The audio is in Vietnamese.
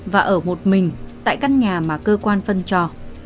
và ở một mình tại căn nhà mà cơ quan phân cho